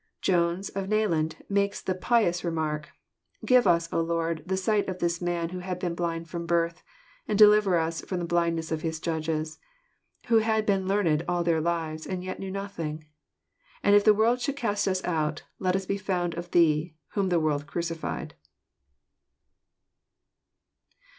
. Jones, of Nayland, makes the pious remark: "Give us, O Lord, the sight of this man who had been blind from birth, and deliver us from the blindness of his judges, who had been learning all their lives, and yet knew nothing. And if the world should cast us out, let us be found of Thee, whom the world crucified."